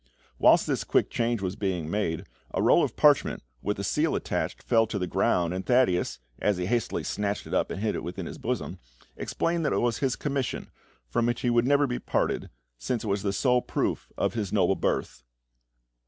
Whilst this quick change was being made, a roll of parchment with a seal attached fell to the ground, and Thaddeus, as he hastily snatched it up and hid it within his bosom, explained that it was his commission, from which he would never be parted, since it was the sole proof of his noble birth.